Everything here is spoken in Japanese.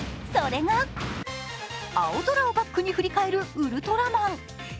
それが青空をバックに振り返るウルトラマン。